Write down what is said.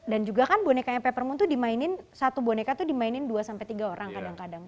dan juga kan bonekanya peppermint tuh dimainin satu boneka tuh dimainin dua sampai tiga orang kadang kadang